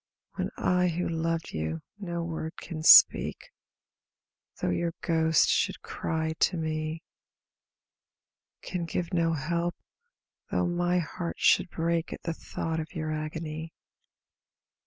When I who loved you no word can speak, Though your ghost should cry to me, Can give no help, though my heart should break At the thought of your agony.